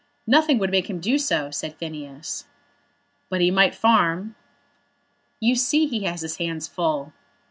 "Nothing would make him do so," said Phineas. "But he might farm?" "You see he has his hands full."